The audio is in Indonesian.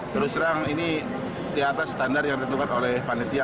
terus terang ini di atas standar yang ditentukan oleh panitia